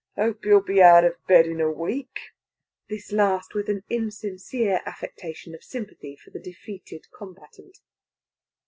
Hope he'll be out of bed in a week!" the last with an insincere affectation of sympathy for the defeated combatant.